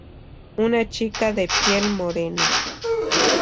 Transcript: Una chica de piel morena.